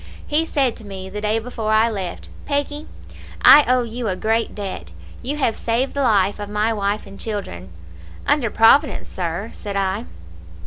"He said to me, the day before I left, 'Peggy, I owe you a great debt. You have saved the life of my wife and children.' "'Under Providence, sir,' said I.